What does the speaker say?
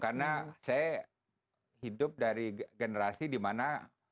karena saya hidup dari generasi dimana